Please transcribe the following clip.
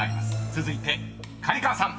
続いて刈川さん］